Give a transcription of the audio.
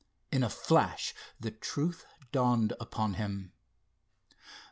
In a flash the truth dawned upon him.